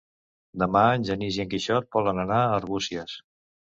Demà en Genís i en Quixot volen anar a Arbúcies.